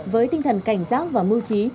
với tinh thần cảnh giác và mưu trí